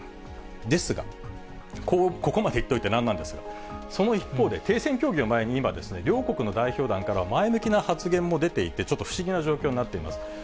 ですが、ここまで言っといてなんなんですが、その一方で、停戦協議を前に今、両国の代表団から前向きな発言も出ていて、ちょっと不思議な状況になっています。